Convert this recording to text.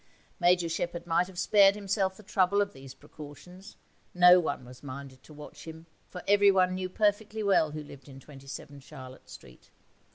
Major Shepherd might have spared himself the trouble of these precautions; no one was minded to watch him, for everyone knew perfectly well who lived in 27, Charlotte Street.